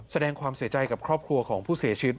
แสดงความเสียใจกับครอบครัวของผู้เสียชีวิต